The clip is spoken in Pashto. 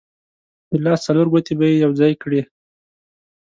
د لاس څلور ګوتې به یې یو ځای کړې.